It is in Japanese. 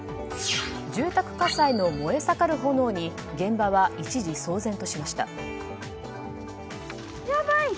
住宅火災の燃え盛る炎に現場は一時騒然としました。